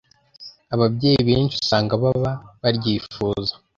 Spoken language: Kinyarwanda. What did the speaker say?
. Ababyeyi benshi usanga baba baryifuza